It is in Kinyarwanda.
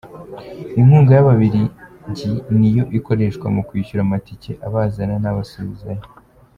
Inkunga y’Ababiligi niyo ikoreshwa mu kwishyura amatike abazana n’abasubizayo.